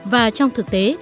và trong thực tế